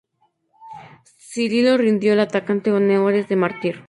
Cirilo rindió al atacante honores de mártir.